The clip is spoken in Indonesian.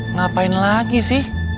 ngapain lagi sih